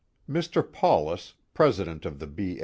Mr. Paulus, president of the B.